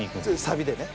サビでね。